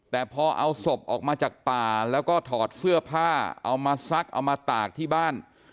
แต่พอเอาศพออกมาจากป่าแล้วก็ถอดเสื้อผ้าเอามาซักเอามาตากที่บ้าน